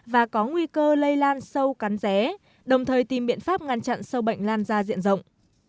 và có nguy cơ lây lan sâu cắn dé đồng thời tìm biện pháp ngăn chặn sâu bệnh lan ra diện rộng